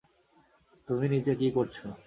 তুমি নিচে কি করছো?